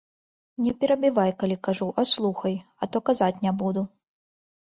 Не перабівай, калі кажу, а слухай, а то казаць не буду!